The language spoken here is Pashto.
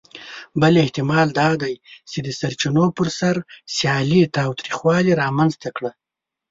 بل احتمال دا دی، چې د سرچینو پر سر سیالي تاوتریخوالي رامنځ ته کړه.